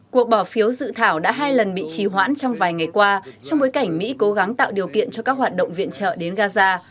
cuộc bỏ phiếu dự thảo đã hai lần bị trì hoãn trong vài ngày qua trong bối cảnh mỹ cố gắng tạo điều kiện cho các hoạt động viện trợ đến gaza